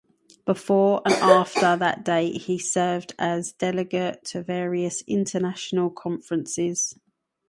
Before and after that date he served as delegate to various international conferences.